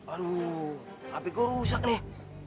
aduh hp gue rusak nih